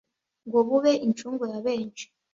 ngo bube incungu ya benshi